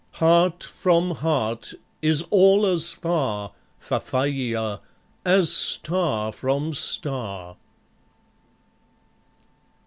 Heart from heart is all as far, Fafaia, as start from star.